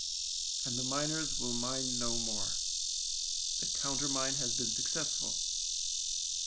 And the miners will mine no more. The countermine has been successful.